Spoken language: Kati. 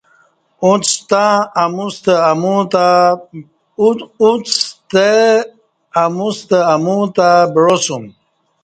اُݩڅ ستا اموستہ امو تہ بعاسوم